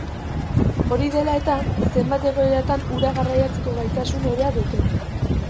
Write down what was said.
Hori dela eta, zenbait egoeratan ura garraiatzeko gaitasun hobea dute.